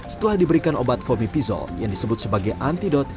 setelah diberikan obat fomipizol yang disebut sebagai antidot